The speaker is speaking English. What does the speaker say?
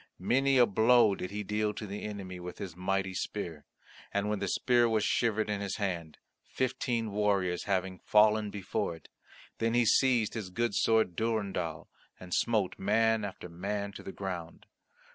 Many a blow did he deal to the enemy with his mighty spear, and when the spear was shivered in his hand, fifteen warriors having fallen before it, then he seized his good sword Durendal, and smote man after man to the ground.